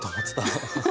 ハハハ